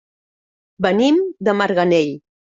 Venim de Marganell.